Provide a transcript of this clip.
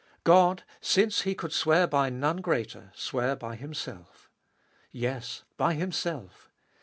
God, since He could swear by none greater, sware by Himself. Yes. By Himself